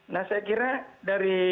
nah saya kira dari